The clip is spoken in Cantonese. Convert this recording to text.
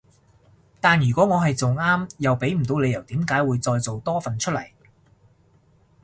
但如果我係做啱又畀唔到理由點解會再做多份出嚟